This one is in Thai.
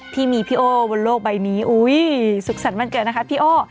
ที่มีพี่โอบนโลกใบนี้อุ้ยสุขสันต์มันเกิดนะคะพี่โอ